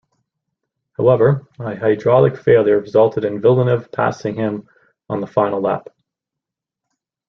However, a hydraulic failure resulted in Villeneuve passing him on the final lap.